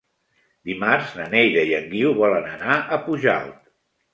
Dimarts na Neida i en Guiu volen anar a Pujalt.